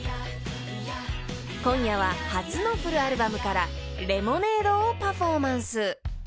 ［今夜は初のフルアルバムから『ｌｅｍｏｎａｄｅ』をパフォーマンス］